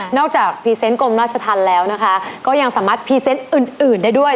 จากพรีเซนต์กรมราชธรรมแล้วนะคะก็ยังสามารถพรีเซนต์อื่นอื่นได้ด้วย